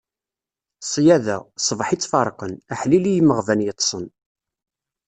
Ṣṣyada, ṣbaḥ i tt-ferqen; aḥlil i yimeɣban yeṭṭsen.